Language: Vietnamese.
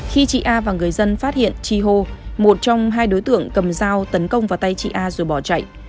khi chị a và người dân phát hiện chi hô một trong hai đối tượng cầm dao tấn công vào tay chị a rồi bỏ chạy